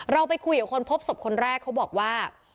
เราไปคุยกับคนพบศพคนแรกเขาบอกว่า